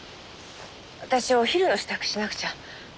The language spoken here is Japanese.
私お昼の支度しなくちゃ。